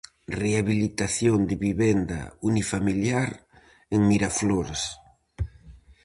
Rehabilitación de vivenda unifamiliar en Miraflores.